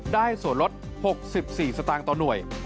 ได้ส่วนลด๖๔สตางค์ต่อหน่วย